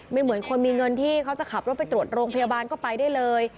เหมือนคนมีเงินที่เขาจะขับรถไปตรวจโรงพยาบาลก็ไปได้เลย